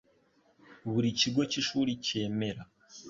buri kigo cy ishuri cyemera